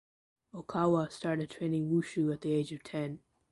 Okawa started training wushu at the age of ten.